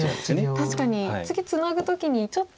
確かに次ツナぐ時にちょっと。